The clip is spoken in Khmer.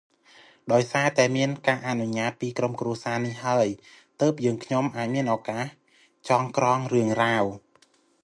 ដោយសារតែមានការអនុញ្ញាតពីក្រុមគ្រួសារនេះហើយ ទើបយើងខ្ញុំអាចមានឱកាសចងក្រងរឿងរ៉ាវ